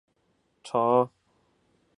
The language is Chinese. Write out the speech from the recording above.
常赈赡贫穷。